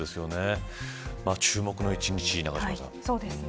注目の１日永島さん。